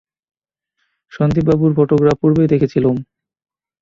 সন্দীপবাবুর photograph পূর্বেই দেখেছিলুম।